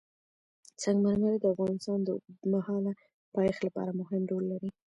سنگ مرمر د افغانستان د اوږدمهاله پایښت لپاره مهم رول لري.